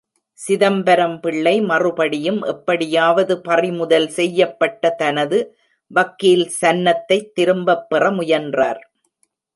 சிதம்பரம் பிள்ளை மறுபடியும் எப்படியாவது பறிமுதல் செய்யப்பட்ட தனது வக்கீல் சன்னத்தைத் திரும்பப் பெற முயன்றார்.